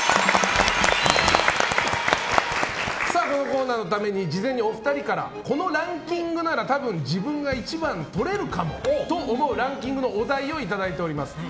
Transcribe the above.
このコーナーのために事前にお二人からこのランキングなら多分、自分が１番をとれるかもと思うランキングのお題をいただいております。